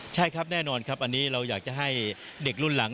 ใช่ครับแน่นอนครับอันนี้เราอยากจะให้เด็กรุ่นหลัง